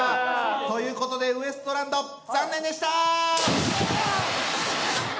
ということでウエストランド残念でした！